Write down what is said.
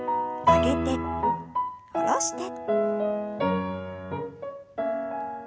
上げて下ろして。